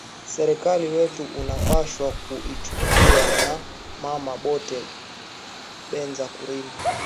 Serkali wetu ana pashwa ku ichikiya ba mama bote banze kurima